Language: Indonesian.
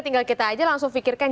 tinggal kita aja langsung pikirkan